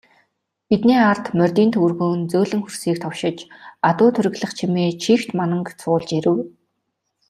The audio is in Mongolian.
Бидний ард морьдын төвөргөөн зөөлөн хөрсийг товшиж, адуу тургилах чимээ чийгт мананг цуулж ирэв.